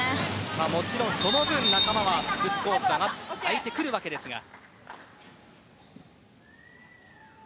もちろん、そのぶん仲間は打つコースが空いてくるわけですから。